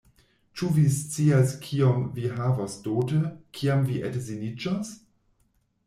Ĉu vi scias kiom vi havos dote, kiam vi edziniĝos?